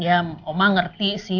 iya oma ngerti sih